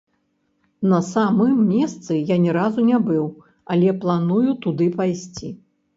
На самым месцы я ні разу не быў, але планую туды пайсці.